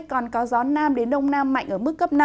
còn có gió nam đến đông nam mạnh ở mức cấp năm